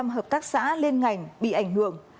hai mươi một hợp tác xã liên ngành bị ảnh hưởng